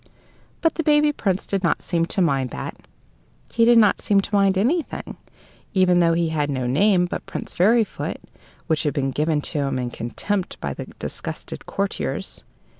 But the baby Prince did not seem to mind that he did not seem to mind anything, even though he had no name but Prince Fairyfoot, which had been given him in contempt by the disgusted courtiers.